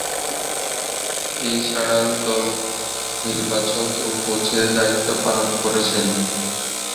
এছাড়াও, দল নির্বাচক ও কোচের দায়িত্ব পালন করেছেন।